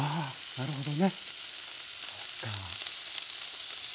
なるほど。